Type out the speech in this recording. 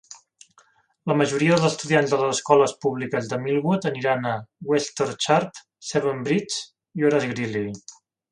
La majoria dels estudiants de les escoles públiques de Millwood aniran a Westorchard, Seven Bridges i Horace Greeley.